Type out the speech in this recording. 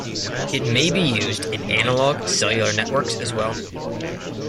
It may be used in analog cellular networks as well.